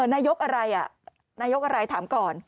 นายกอะไรถามก่อน